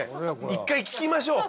一回聞きましょう。